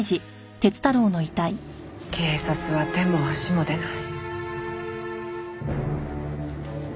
警察は手も足も出ない。